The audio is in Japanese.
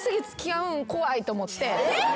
えっ？